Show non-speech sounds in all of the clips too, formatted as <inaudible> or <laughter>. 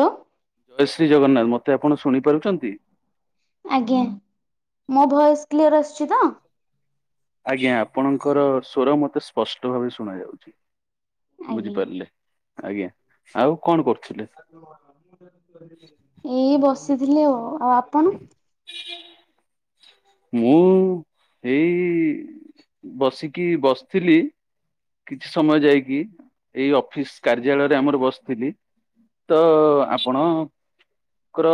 ଅ ଜୟ ଶ୍ରୀ ଜଗନ୍ନା। ମତେ ଆପଣ ଶୁଣିପାରୁଚନ୍ତି? ଆଜ୍ଞା ମୋ ଭଏସ୍ କ୍ଲିୟର୍ ଆସୁଚି ତ? ଆଜ୍ଞା ଆପଣଙ୍କର ସ୍ୱର ମତେ ସ୍ପଷ୍ଟ ଭାବେ ଶୁଣ ଯାଉଚି। ଆଜ୍ଞା ବୁଝିପାରିଲେ ଆଜ୍ଞା ଆଉ କଣ କରୁଥୁଲେ? ଏଇ ବସିଥିଲି ଆଉ। ଆଉ ଆପଣ? ହ ମୁଁ ଏଇ ବସିକି ବସିଥିଲି। କିଛି ସମୟ ଯାଇକି ଏଇ ଅଫିସ କାର୍ଯ୍ୟାଳୟରେ ଆମର ବସିଥିଲି। ତ ଆପଣଙ୍କର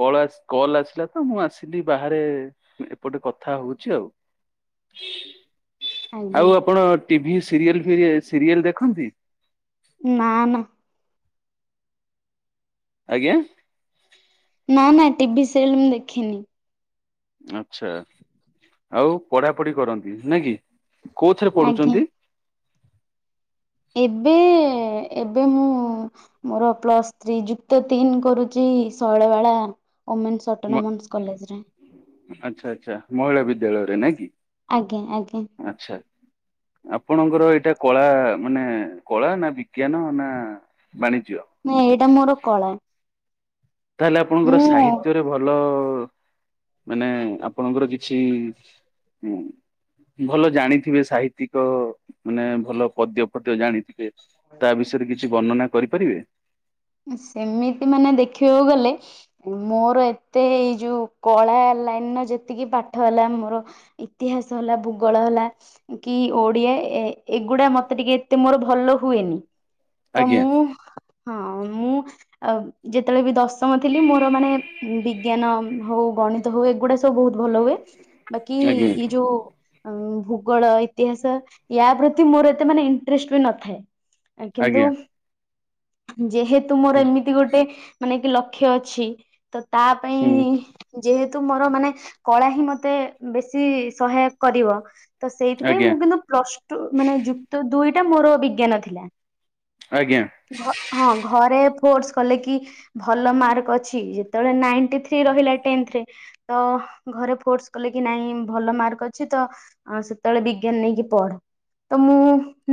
କଳ ଆସ୍ କଲ ଆସିଲା ତ ମୁଁ ଆସିଲି ବାହାରେ ଏପଟେ କଥା ହଉଚି ଆଉ। ଆଜ୍ଞା ଆଉ ଆପଣ ଟିଭି ସିରିଏଲ୍ ଫିରିଏ ସିରିଏଲ୍ ଦେଖନ୍ତି? ନା ନା। ଆଜ୍ଞା। ନା ନା ଟିଭି ସିରିଏଲ୍ ମୁଁ ଦେଖେନି। ଆଛା ଆଉ ପଢାପୁଢି କରନ୍ତି ନାଇ କି କୋଉଥିରେ ଆଜ୍ଞା। ପଢୁଚନ୍ତି? ଏବେ ଏବେ ମୁଁ ମୋର ପ୍ଲସ୍ ଥ୍ରୀ ଯୁକ୍ତ ତିନି କରୁଚି ଶୈଳବାଳା ଓମେନ୍ସ ମ ଅଟନୋମନସ୍ କଲେଜରେ। ଆଚ୍ଛା ଆଚ୍ଛା ମହିଳା ବିଦ୍ୟାଳୟରେ ନାଇ କି? ଆଜ୍ଞା ଆଜ୍ଞା। ଆଚ୍ଛା। ଆପଣଙ୍କର ଏଇଟା କଳା ମାନେ କଳା ନା ବିଜ୍ଞାନ ନା ବାଣିଜ୍ୟ ନାଇଁ ଏଇଟା ମୋର କଳା। ତାହେଲେ ଆପଣଙ୍କର ମୁଁ ସାହିତ୍ୟରେ ଭଲ ମାନେ ଆପଣଙ୍କର କିଛି ହୁଁ। ଭଲ ଜାଣିଥିବେ ସାହିତ୍ୟିକ ମାନେ ଭଲ ପଦ୍ୟ ଫଦ୍ୟ ଜାଣିଥିବେ। ତା ବିଷୟରେ କିଛି ବର୍ଣ୍ଣନା କରିପାରିବେ। ସେମିତି ମାନେ ଦେଖିବାକୁ ଗଲେ ମୋର ଏତେ ଏଇ ଯୋଉ କଳା ଲାଇନ ର ଯେତିକି ପାଠ ହେଲା ମୋର ଇତିହାସ ହେଲା ଭୂଗୋଳ ହେଲା। କି ଓଡିଆ ଏ-ଏଗୁଡା ମତେ ଟିକେ ଏତେ ମୋର ଭଲ ହୁଏନି। ତ ଆଜ୍ଞା ମୁଁ ହଁ ମୁଁ ଯେତବେଳେ ବି ଦଶ ଚାଁହୁଥିଲି ମୋର ମାନେ ବିଜ୍ଞାନ ହଉ ଗଣିତ ହଉ ଏଗୁଡା ତ ବହୁତୁ ଭଲ ହୁଏ ବାକି ଆଜ୍ଞା ଏଇ ଯୋଉ ଭୂଗୋଳ, ଇତିହାସ ୟା ପ୍ରତି ମୋର ଏତେ ମାନେ ଇନ୍ ଟ୍ରେଷ୍ଟ ବି ନଥାଏ। କିନ୍ତୁ ଆଜ୍ଞା ଯେହେତୁ ମୋର ଏମିତି ଗୋଟେ ମାନେ କି ଲ କ୍ଷ ଅଛି ତ ତା ପାଇଁ ହୁଁ। ଯେହେତୁ ମୋର ମାନେ କଳା ହିଁ ମତେ ବେଶୀ ସହାୟକ କରିବ। ତ ସେଇଥିପାଇଁ ଆଜ୍ଞା ମୁଁ କିନ୍ତୁ ପ୍ଲସ ଟୁ ମାନେ ଯୁକ୍ତଦୁଇଟା ମୋର ବିଜ୍ଞାନ ଥିଲା। ଆଜ୍ଞା। ଘ ହଁ ଘରେ ଫୋର୍ସ କଲେ କି ଭଲ ମାର୍କ ଅଛି ଯେତବେଳେ ନାଇଣ୍ଟି ଥ୍ରୀ ରହିଲା ଟେନ୍ଥ ରେ। ତ ଘରେ ଫୋର୍ସ କଲେ କି ନାଇଁ ଭଲ ମାର୍କ ଅଛି ତ ହଁ ସେତବେଳେ ବିଜ୍ଞାନ ନେଇକି ପଢ଼। ତ ମୁଁ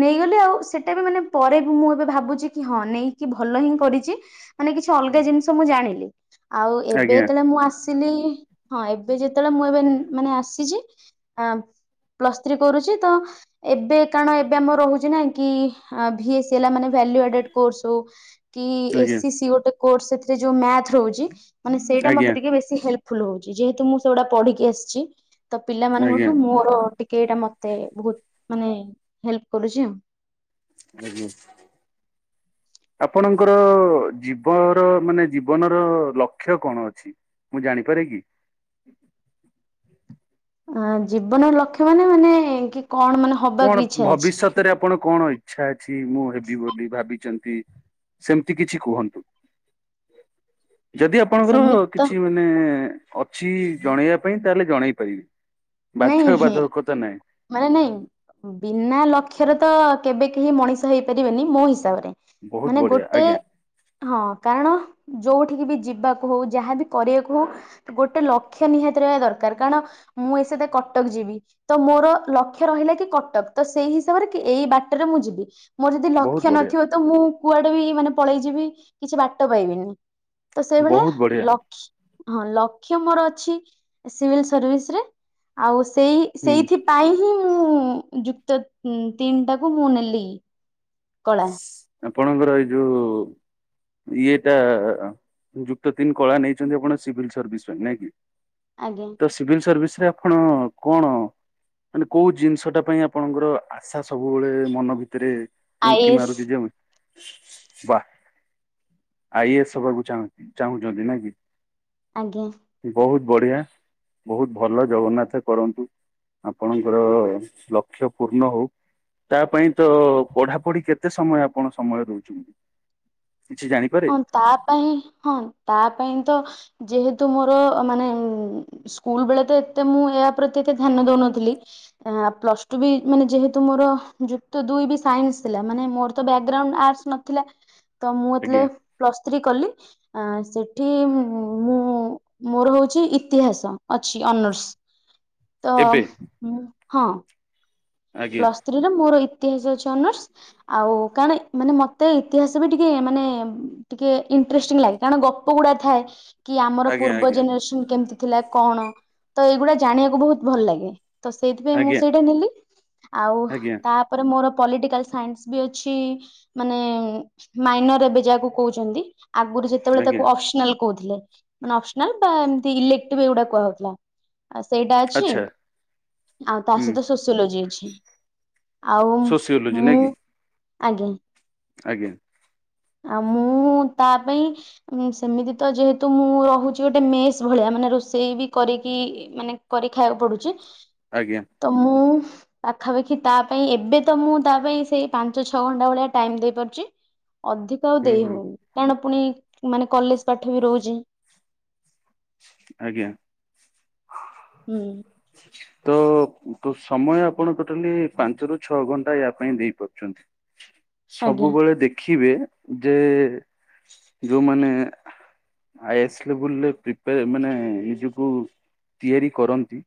ନେଇଗଲି ଆଉ ସେଟା ବି ମାନେ ପରେ ବି ମୁଁ ଏବେ ଭାବୁଚି କି ହଁ ନେଇ କି ଭଲ ହିଁ କରିଚି ମାନେ କିଛି ଅଲଗା ଜିନିଷ ମୁଁ ଜାଣିଲି ଆଉ ଏବେ ଆଜ୍ଞା ଯେତବେଳେ ମୁଁ ଆସି ସିଲି ହଁ ଏବେ ଯେତବେଳେ ମୁଁ ଏବେ ମାନେ ଆସିଚି ଆ ପ୍ଲସ ଥ୍ରୀ କରୁଚି ତ ଏବେ କାରଣ ଏବେ ଆମର ରହୁଚି ନା କି ଭି ଏ ସି ହେଲା ମାନେ ଭେଲୁ ଅଡେଡ଼ କୋର୍ସ ହଉ କି ଏସ୍ ଆଜ୍ଞା ସି ସି ଗୋଟେ କୋର୍ସ ସେଥିରେ ଯୋଉ ମ୍ୟାଥ ରହୁଚି ମାନେ ସେଇଟା ଆଜ୍ଞା ମତେ ଟିକେ ବେ ଶୀ ହେଲ୍ପଫୁଲ ହଉଚି ଯେହେତୁ ମୁଁ ସେଇଗୁଡ଼ା ପଢିକି ଆସିଚି ତ ଆଜ୍ଞା ପିଲାମାନଙ୍କ ଆଜ୍ଞା ଠୁ ମୋର ଟି କେ ଇଟା ମତେ ବହୁତ ମାନେ ହେଲ୍ପ କରୁଛି ଆଉ। ଆଜ୍ଞ। ଆପଣଙ୍କର ଜୀବର ମାନେ ଜୀବନର ଲକ୍ଷ୍ୟ କଣ ଅଛି? ମୁଁ ଜାଣିପାରେ କି? ଆ ଜୀବନର ଲକ୍ଷ୍ୟ ମାନେ ମାନେ କି କଣ ମାନେ କଣ ହବାକୁ ଇଚ୍ଛା ଅଛି ଭବିଷ୍ୟତରେ ଆପଣ କଣ ଇଛା ଅଛି ମୁଁ ହେବି ବୋଲି ଭାବିଚନ୍ତି। ସେମିତି କିଛି କୁହନ୍ତୁ, ଯଦି ଆପଣଙ୍କର ସେମିତି ତ କିଛି ମାନେ ମାନେ ଅଛି ଜଣେଇବା ପାଇଁ, ତାହେଲେ ଜଣେଇ ପାରିବେ। ବାଧ୍ୟ ନାଈଁ ହିଁ। ବାଧକତା ନାହିଁ ମାନେ ନାଇଁ ବିନା ଲକ୍ଷ୍ୟରେ ତ କେବେ କେହି ମଣିଷ ହେଇପାରିବେନି ମୋ ହିସାବରେ। ବହୁତ ମାନେ ବଢିଆ ଗୋଟେ। ଆଜ୍ଞା ହଁ କାରଣ ଯୋଉଠିକି ବି ଯିବାକୁ ହଉ ଯାହାବି କରିବାକୁ ହଉ ଗୋଟେ ଲକ୍ଷ୍ୟ ନିହାତି ରହିବା ଦରକାର କାରଣ ମୁଁ ଏସହିତ କଟକ ଯିବି। ତ ମୋର ଲକ୍ଷ୍ୟ ରହିଲା କି କଟକ ତ ସେଇ ହିସାବରେ କି ଏଇ ବାଟରେ ମୁଁ ଯିବି। ମୋର ଯଦି ବହୁତ ଲକ୍ଷ୍ୟ ବଢିଆ। ନଥିବ ତ ମୁଁ କୁଆଡେ ବି ମାନେ ପଳେଇଯିବି କିଛି ବାଟ ପାଇବିନି। ତ, ସେଇଭଳିଆ ବହୁତ ବଢିଆ ଲକ୍ଷ ହଁ ଲକ୍ଷ୍ୟ ମୋର ଅଛି ସିଭିଲ ସର୍ଭିସ ରେ। ଆଉ ସେଇ ହୁଁ ସେଇଥିପାଇ ହିଁ, ମୁଁ ଯୁକ୍ତତିନ ଟାକୁ ମୁଁ ନେଲି। କଳା। ଆପଣଙ୍କର ଏଇ ଯୋଉ ଇଏଟା। ଯୁକ୍ ତିନି କଳା ନେଇଛନ୍ତି ଆପଣ ସିଭିଲ୍ ସର୍ଭିସ ପାଇଁ ନାଇଁକ କି? ଆଜ୍ଞା। ତ ସିଭିଲ୍ ସର୍ଭିସ ରେ ଆପଣ କଣ? ମାନେ କୋଉ ଜିନିଷ ଟା ପାଇଁ ଆପଣଙ୍କର ଆଶା ସବୁବେଳେ ମନ ଭିତରେ। ଆଇ କି ଏ ଏସ୍ ମାରୁୁଛିି ଯେମେ ବାଃ ଆ ଇ ଏସ୍ ହବାକୁ ଚାଁ ଚାହୁଁଛନ୍ତି ନଏକି। ଆଜ୍ଞା। ବହୁତ ବଢିଆ ବହୁତ ଭଲ ଜଗନ୍ନାଥ କରନ୍ତୁ। ଆପଣଙ୍କର ଲକ୍ଷ୍ୟ ପୂର୍ଣ ହଉ ତା ପାଇଁ ତ ପଢା କେତେ ସମୟ ଆପଣ ସମୟ ଦଉଛନ୍ତି କିଛି ଜାଣି ହଁ ତା ପାଇଁ ହଁ ତା ପାଇଁ ତ ଯେହେତୁ ମୋର ମାନେ ସ୍କୁଲ ବେଳେ ତ ଏତେ ମୁଁ ଏହାଉପରେ ଏତେ ଧିୟନ ଦଉନଥିଲି। ପ୍ଲସ୍ ଟୁ ବି ମାନେ ଯେହେତୁ ମୋର ଯୁକ୍ତ ଦୁଇ ବି ସାଇନ୍ସ ଥିଲା ମାନେ ମୋର ତ ବ୍ୟାଗ୍ରାଉଣ୍ଡ ଆର୍ଟସ ନଥିଲା। ହଁ ତ ମୁଁ ଯେତେବେଳେ ପ୍ଲସ୍ ଥ୍ରୀ କଲି ଆଁ ସେଠି ମୁଁ ମୋର ହଉଛି ଇତିହାସ ଅଛି ଅନରର୍ସ। ତ ଏବେ ଉଁ ହଁ। ଆଜ୍ଞା ପ୍ଲସ ଥ୍ରୀ ର ମୋର ଇତିହାସ ଅଛି ଅନର୍ସ। ଆଉ କଣ ମାନେ ମତେ ଇତିହାସ ବି ଟିକେ ମାନେ ଟିକେ ଇଣ୍ଟରେଷ୍ଟିଂ ଲାଗେ। କାରଣ ଗପ ଗୁଡା ଥାଏ। କି ଆମର ଆଜ୍ଞା ପୂର୍ବ ଆଜ୍ଞା ଜେନେରେସନ କେମିତି ଥିଲା କଣ ତ ଏଇଗୁଡା ଜାଣିବାକୁ ବହୁତ ଭଲ ଲାଗେ। ତ ସେଇଥିପାଇଁ ମୁଁ ଆଜ୍ଞା ସେଇଟା ନେଲି। ଆଉ ଆଜ୍ଞା ତାପରେ ମୋର ପଲିଟିକାଲ ସାଇନ୍ସ ବି ଅଛି ମାନେ ମାଇନର ଏବେ ଯାହାକୁ କହୁଛନ୍ତି ଆଗରୁ ସେତେବେଳେ ଆଜ୍ଞା ତାକୁ ଅପସନାଲ କହୁଥିଲେ ମାନେ ଅପସନାଲ ବା ଏମତି ଇଲେଟିଭ ଏଗୁଡା କୁହାଉଥିଲା ଆ ସେଇଟା ଅଛି ଆଚ୍ଛା ଆଉ ତା ହୁଁ ସହିତ ସୋସିଓଲୋଜି ଅଛି। ଆଉ ସୋସିଓଲୋଜି ନାଇଁ ମୁଁ କି ଆଜ୍ଞା। ଆଜ୍ଞା। ଆଉ ମୁଁ ତା ପାଇଁ ଉଁ ସେମିତି ତ ଯେହେତୁ ମୁଁ ରହୁଛି ଗୋଟେ ମେସ୍ ଭଳିଆ ମାନେ ରୋଷେଇ ବି କରିକି ମାନେ କରି ଖାଇବାକୁ ପଡୁଛି ଆଜ୍ଞା। ତ ମୁଁ ପାଖାପାଖି ତା ପାଇଁ ଏବେ ତ ମୁଁ ତା ପାଇଁ ସେଇ ପାଞ୍ଚ ଛଅ ଘଣ୍ଟା ଭଳିଆ ଟାଇମ୍ ଦେଇ ପାରୁଛି। ଅଧିକ ଆଉ ହୁଁ ଦେଇ ହୁଁ ହଉନି କାରଣ ପୁଣି ମାନେ କଲେଜ ପାଠ ବି ରହୁଛି। ଆଜ୍ଞା। ହୁଁ। ଆ ତ ତ ସମୟ ଆପଣ ଟୋଟାଲି ପାଞ୍ଚରୁ ଛଅ ଘଣ୍ଟା ଇୟା ପାଇଁ ଦେଇପାରୁଛନ୍ତି। ଆଜ୍ଞା ସବୁବେଳେ ଦେଖିବେ? ଯେ ଯୋଉମାନେ ଆଇ ଏସ୍ ଲବୁଲରେ ଏମାନେ ନିଜକୁ ତିଆରି କରନ୍ତି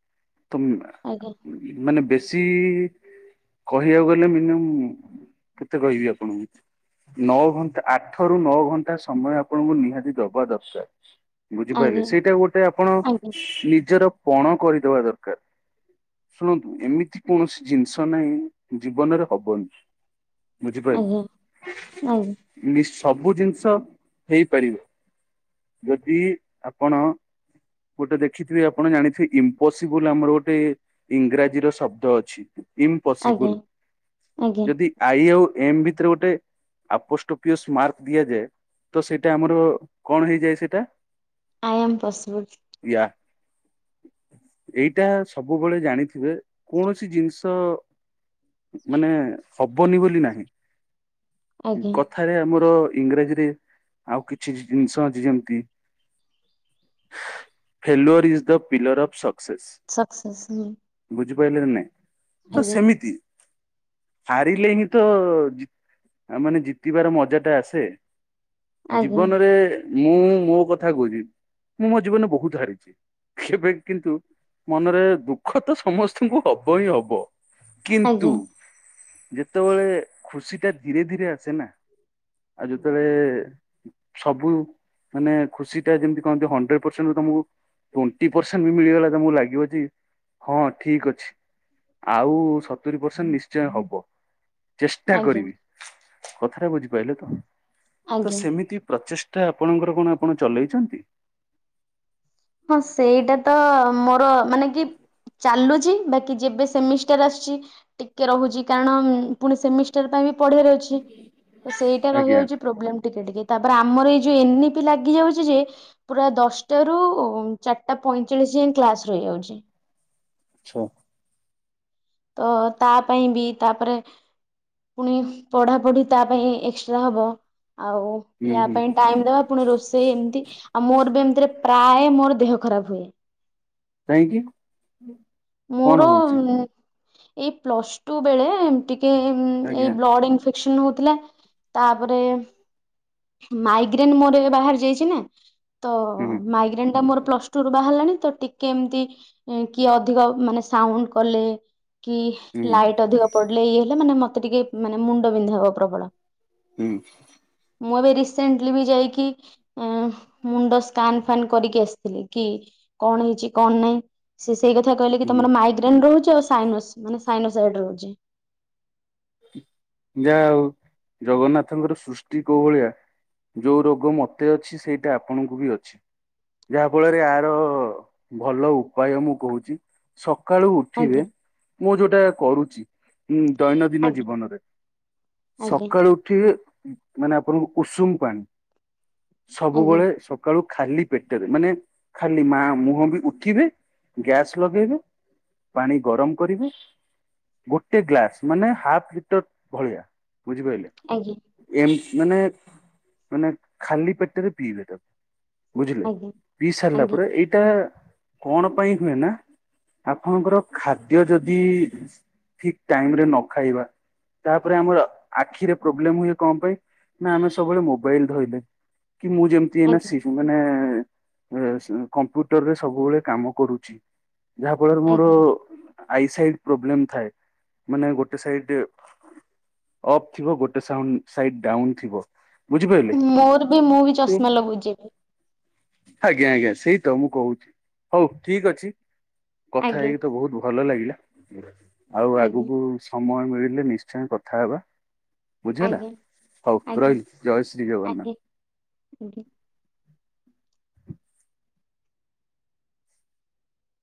ତ ଆଜ୍ଞା। ମାନେ ବେଶୀ କହିବାକୁ ଗଲେ ମିନିମ୍ମ୍ କେତେ କହିବି ଆପଣଙ୍କୁ। ନଅ ଘଣ୍ଟା ଆଠ ରୁ ନଅ ଘଣ୍ଟା ସମୟ ଆପଣଙ୍କୁ ନିହାତି ଦବା ଦରକାର। ବୁଝିପାରିଲେ ଆଜ୍ଞା ସେଇଟା ଗୋଟେ ଆପଣ ଆଜ୍ଞା ନିଜର ପଣ କରିଦବା ଦରକାର। ଶୁଣନ୍ତୁ ଏମିତି କୌଣସି ଜିନିଷ ନାହିଁ ଜୀବନରେ ହବନି। ଆଜ୍ଞା ଆଜ୍ଞା <unintelligible> ସବୁ ଜିନିଷ ହେଇପାରିବ ଯଦି ଆପଣ ଗୋଟେ ଦେଖିଥିବେ ଆପଣ ଜାଣିଥିବେ ଇମ୍ପୋସିବୁଲ ଆମର ଗୋଟେ ଇଂରାଜୀର ଶବ୍ଦ ଅଛି। ଆଜ୍ଞା ଇମ୍ପସିବୁଲ ଆଜ୍ଞା। ଯଦି ଆଇ ଆଉ ଏମ୍ ଭିତରେ ଗୋଟେ ଆପୋଷ୍ଟି ମାର୍କ ଦିଆଯାଏ ତ ସେଇଟା ଆମର କଣ ହେଇଯାଏ ସେଇଟା। I am possible. ୟା। ଏଇଟା ସବୁବେଳେ ଜାଣିଥିବେ କୌଣସି ଜିନିଷ ମାନେ ହବନି ବୋଲି ନାହିଁ। ଆଜ୍ଞା କଥାରେ ଆମର ଇଂରାଜୀରେ ଆଉ କିଛି ଜିନିଷ ଅଛି ଯେମିତି failure is the pillar of success. Success ହୁଁ। ବୁଝିପାରିଲ ନାଇଁ ତ ସେମିତି। ହାରିଲେ ହିଁ ତ ମାନେ ଜିତିବାର ମଜା ଟା ଆସେ। ଆଜ୍ଞା। ଜୀବନରେ ମୁଁ ମୋ କଥା କହୁଛି, ମୁଁ ମୋ ଜୀବନରେ ବହୁତ ହାରିଛି। କେବେ କିନ୍ତୁ ମନରେ ଦୁଃଖ ତ ସମସ୍ତଙ୍କୁ ହବ ହିଁ ହବ। ଆଜ୍ଞା କିନ୍ତୁ ଯେତେବେଳେ ଖୁସିଟା ଧୀରେ ଧୀରେ ଆସେ ନା ଆଉ ଯେତେବେଳେ ସବୁ ମାନେ ଖୁସିଟା ଯେମତି କହନ୍ତି ହଣ୍ଡ୍ରେଡ ପର୍ସେଣ୍ଟରୁ ତମକୁ ଟ୍ବେଣ୍ଟି ପର୍ସେଣ୍ଟ ବି ମିଳିଗଲା ତମକୁ ଲାଗିବ ଯେ ହଁ ଠିକ ଅଛି, ଆଉ ସତୁରି ପରସେଣ୍ଟ ନିଶ୍ଚୟ ହବ। ଚେଷ୍ଟା ଆଜ୍ଞା କରିବି, କଥାଟା ବୁଝିପାଇଲେ ତ? ତ ଆଜ୍ଞା ସେମିତି ପ୍ରଚେଷ୍ଟା ଆପଣଙ୍କର କଣ ଆପଣ ଚଲେଇଛନ୍ତି? ହଁ ସେଇଟା ତ ମୋର ମାନେ ଦିପ ଚାଲୁଛି, ବାକି ଯେବେ ସେମିଷ୍ଟାର ଆସଛି ଟିକେ ରହୁଛି କାରଣ ପୁଣି ସେମିଷ୍ଟର ପାଇଁ ବି ପଢିଆର ଅଛି, ତ ସେଇଟା ଆଜ୍ଞା ରହିଯାଉଛି ପ୍ରୋବ୍ଲେମ୍ ଟିକେ ଟିକେ। ତାପରେ ଆମର ଏଇ ଯୋଉ ଏନ ଇ ପି ଲାଗିଯାଉଛି ଯେ, ପୁରା ଦଶଟାରୁ ଚାରିଟା ପଇଁଚାଳିଶ ଯାଏଁ କ୍ଲାସ ରହିଯାଉଛି। ଆଚ୍ଛା। ତ ତା ପାଇଁ ବି ତାପରେ ପୁଣି ପଢା଼ ପଢି଼ ତା ପାଇଁ ଏକ୍ସଟ୍ରା ହବ, ଆଉ ହୁଁ ୟା ହୁଁ ପାଇଁ ଟାଇମ ଦବ, ପୁଣି ରୋଷେଇ ଏମିତି, ଆଉ ମୋର ବି ଏମତିରେ ପ୍ରାୟ ମୋର ଦେହ ଖରାପ ହୁଏ। କାହିଁକି? କଣ ମୋର ହଉଛି ଏଇ ପ୍ଲସ ଟୁ ବେଳେ, ଉମ୍ ଟିକେ ଉମ୍ ଏଇ ଆଜ୍ଞା ବ୍ଲଡ ଇନ୍ଫେ କ୍ସନ ହଉଥିଲା। ତାପରେ ମାଇଗ୍ରେନ୍ ମୋର ଏବେ ବାହାରି ଯାଇଛି ନା। ତ ହୁଁ ମାଇଗ୍ରେନଟା ମୋର ପ୍ଲସ ଟୁରୁ ବାହାରିଲାଣି। ତ ଟିକେ ଏମତି କିଏ ଅ ଅଧିକ ମାନେ ସାଉଣ୍ଡ କଲେ, କି ହୁଁ ଲାଇଟ୍ ଅଧିକ ପଡିଲେ ଇଏ ହେଲେ ମାନେ, ମତେ ଟିକେ ମାନେ ମୁଣ୍ଡ ବିନ୍ଧା ହବ ପ୍ରବଳ। ହୁଁ। ମୁଁ ଏବେ ରିସେଣ୍ଟଲି ବି ଯାଇକି, ଆ ମୁଣ୍ଡ ସ୍କାନ ସ୍କାନ୍ କରିକି ଆସିଥିଲି, କି କଣ ହେଇଛି କଣ ନାହିଁ ସେ ସେଇ କଥା କହିଲେ କି, ହୁଁ ତମର ମାଇଗ୍ରେନ ରହୁଛି ଆଉ ସାଇନସ୍ ମାନେ ସାଇନସାଇଡ ରହୁଛି। ଯାହା ଆଉ ଜଗନ୍ନାଥଙ୍କର ସୃଷ୍ଟି କୋଉ ଭଳିଆ ଯୋଉ ରୋଗ ମତେ ଅଛି, ସେଇଟା ଆପଣଙ୍କୁ ବି ଅଛି। ଯାହାଫଳରେ ୟାର ଭଲ ଉପାୟ ମୁଁ କହୁଛି। ସକାଳୁ ଆଜ୍ଞା ଉଠିବେ, ମୁଁ ଯୋଉଟା କରୁଛି, ଉମ୍ ଦୈନନ୍ଦିନ ଆଜ୍ଞା ଜୀବନରେ, ଆଜ୍ଞା ସକାଳୁ ଉଠି ମାନେ ଆପଣଙ୍କୁ ଉଷୁମ ପାଣି ଆଜ୍ଞା ସବୁବେଳେ ସବୁ ସକାଳୁ ଖାଲି ପେଟରେ, ମାନେ ଖାଲି ମା ମୁହଁ ବି ଉଠିବେ, ଗ୍ୟାସ୍ ଲଗେଇବେ ପାଣି ଗରମ କରିବେ, ଗୋଟେ ଗ୍ଲାସ ମାନେ ହାଫ୍ ହିଟର ଭଳିଆ, ବୁଝିପାଇଲେ? ଆଜ୍ଞା। ଏମ୍ ମାନେ, ମାନେ ଖାଲି ପେଟରେ ପିଇବେ ତାକୁ। ବୁଝିଲେ, ଆଜ୍ଞା ପିଇ ସାରିଲା ଆଜ୍ଞା ପରେ ଏଇ ଏଇଟା କଣ ପାଇଁ ହୁଏ ନା, ଆପଣଙ୍କର ଖାଦ୍ୟ ଯଦି ଠିକ ଟାଇମରେ ନ ଖାଇବା ତାପରେ ଆମର ଆଖିରେ ପ୍ରୋବ୍ଲେମ ହୁଏ କଣ ପାଇଁ, ନା ଆମେ ସବୁବେଳେ ମୋବାଇଲ ଧଇଲେ। କି ମୁଁ ଯେମତି ଯିଏ ନା ଆଜ୍ଞା ସି ମାନେ, କମ୍ପ୍ୟୁଟରରେ ସବୁବେଳେ କାମ କରୁଛି। ଯାହାଫଳରେ ମୋର ଆଜ୍ଞା ଆଇ ସାଇଡ ପ୍ରୋବ୍ଲେମ ଥାଏ। ମାନେ ଗୋଟେ ସାଇଡ ଅପ୍ ଥିବ ଗୋଟେ ସାଉଣ୍ଡ, ସାଇଡ ଡାଉନ୍ ଥିବ ବୁଝିପାଇଲେ, ମୋର ବି ମୁଁ ବି ଉ ଚଷମା ଲଗଉଛି ଆଜ୍ଞା ଆଜ୍ଞା। ସେଇ ତ ମୁଁ କହୁଛି, ହଉ ଠିକ ଅଛି। କଥା ଏବେ ହେଇକି ତ ବହୁତ ଭଲ ଲାଗିଲା, ଆଉ ଆଜ୍ଞା ଆଗକୁ ସମୟ ମିଳି ହେଲେ ନିଶ୍ଚୟ କଥା ହେବା ବୁଝିହେଲା ଆଜ୍ଞା ହୋଉ ଆଜ୍ଞା ରହିଲି ଜୟ ଶ୍ରୀ ଆଜ୍ଞା ଆଜ୍ଞା ଜଗନ୍ନାଥ। ଆଜ୍ଞା।